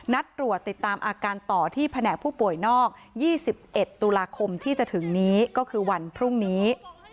นัดตรวจติดตามอาการต่อที่แผนกผู้ป่วยนอก๒๑ตุลาคมที่จะถึงนี้ก็คือวันพรุ่งนี้